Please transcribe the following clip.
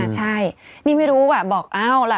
ใช่นี่ไม่รู้ว่าบอกเอาละ